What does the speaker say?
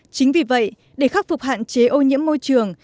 chính vì vậy để khắc phục hạn chế ô nhiễm môi trường